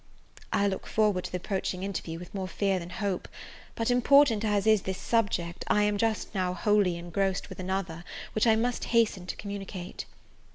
I look forward to the approaching interview with more fear than hope; but, important as is this subject, I am just now wholly engrossed with another, which I must hasten to communicate.